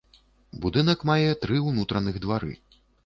Будынак мае тры ўнутраных двары.